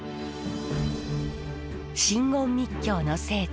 真言密教の聖地